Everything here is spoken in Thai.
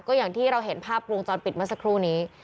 ก็อย่างที่เราเห็นภาพวงจรปิดเมื่อสักครู่นี้